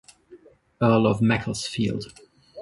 Earl of Macclesfield.